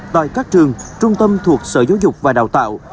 tại các trường trung tâm thuộc sở giáo dục và đào tạo